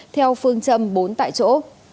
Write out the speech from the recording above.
theo phương châm bốn tại chỗ